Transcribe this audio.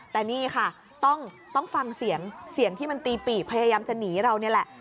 แต่นี่ค่ะต้องฟังเสียงเสียงที่มันตีปีกพยายามจะหนีเรานี่แหละ